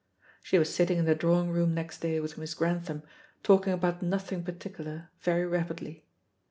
She was sitting in the drawing room next day with Miss Grantham, talking about nothing particular very rapidly.